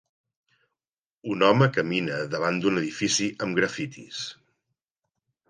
Un home camina davant d'un edifici amb grafitis.